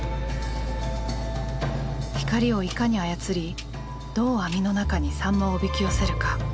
光をいかに操りどう網の中にサンマをおびき寄せるか。